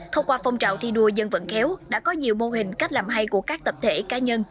thông qua phong trào thi đua dân vận khéo đã có nhiều mô hình cách làm hay của các tập thể cá nhân